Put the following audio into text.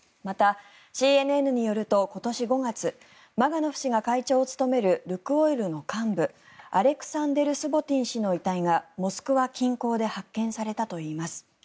またＣＮＮによると今年５月マガノフ氏が会長を務めるルクオイルの幹部アレクサンデル・スボティン氏の遺体がモスクワ近郊で発見されたといいます。